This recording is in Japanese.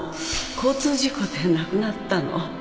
交通事故で亡くなったの